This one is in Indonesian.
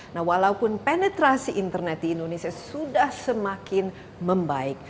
nah walaupun penetrasi internet di indonesia sudah semakin membaik